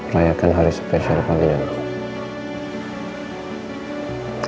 rayakan hari spesial pagi yang keempat